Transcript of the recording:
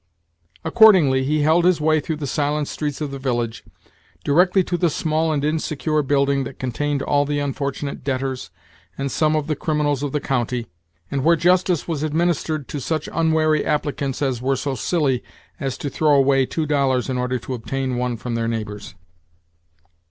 Accordingly he held his way through the silent streets of the village, directly to the small and insecure building that contained all the unfortunate debt ors and some of the criminals of the county, and where justice was administered to such unwary applicants as were so silly as to throw away two dollars in order to obtain one from their neighbors.